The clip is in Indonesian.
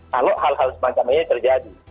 kalau hal hal semacamnya terjadi